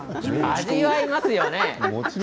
味わいますよね。